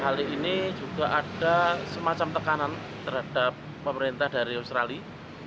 hari ini juga ada semacam tekanan terhadap pemerintah dari australia